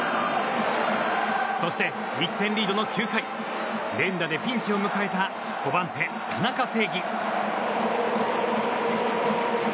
そして、１点リードの９回連打でピンチを迎えた５番手、田中正義。